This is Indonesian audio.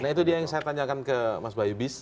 nah itu dia yang saya tanyakan ke mas bayu bis